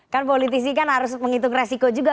kan politisi kan harus menghitung resiko juga